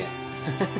フフフ。